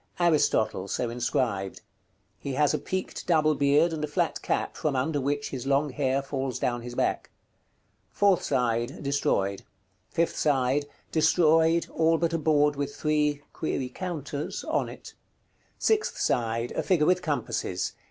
_ "ARISTOTLE:" so inscribed. He has a peaked double beard and a flat cap, from under which his long hair falls down his back. Fourth side. Destroyed. Fifth side. Destroyed, all but a board with three (counters?) on it. Sixth side. A figure with compasses.